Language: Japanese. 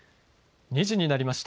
２時になりました。